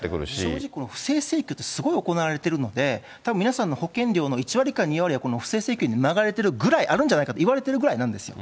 正直、不正請求ってすごい行われてるので、たぶん皆さんの保険料の１割から２割は、この不正請求に流れてるぐらいあるんじゃないかといわれてるぐらいなんですよ。